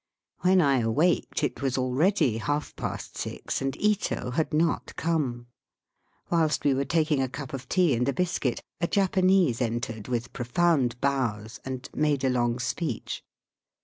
When I awaked it was already half past six and Ito had not come. Whilst we were taking a cup of tea and a biscuit, a Japanese entered with profound bows and made a long speech.